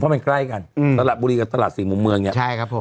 มันใกล้กันอืมตลาดบุรีกับตลาดสี่มุมเมืองเนี่ยใช่ครับผม